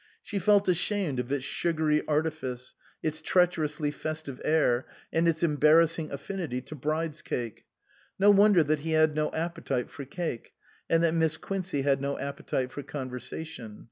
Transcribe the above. She felt ashamed of its sugary artifice, its treacherously festive air, and its embarrassing affinity to bride's cake. No wonder that he had no appetite for cake, and that Miss Quincey had no appetite for conversation.